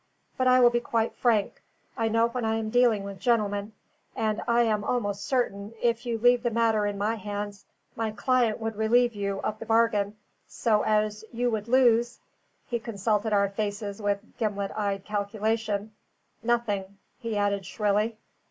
But I will be quite frank I know when I am dealing with gentlemen and I am almost certain, if you leave the matter in my hands, my client would relieve you of the bargain, so as you would lose" he consulted our faces with gimlet eyed calculation "nothing," he added shrilly.